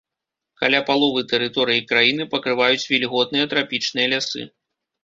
Каля паловы тэрыторыі краіны пакрываюць вільготныя трапічныя лясы.